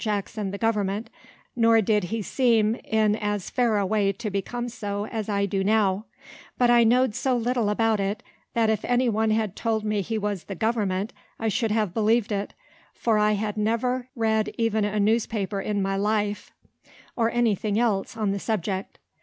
Jackson the government, nor did he seem in as fair a way to become so as I do now; but I knowed so little about it, that if any one had told me he was "the government," I should have believed it, for I had never read even a newspaper in my life, or any thing else, on the subject.